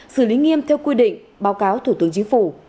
xử lý nghiêm theo quy định báo cáo thủ tướng chính phủ